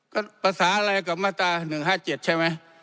ก็ภาษาอะไรกับมาตรา๑๕๗ใช่ไหม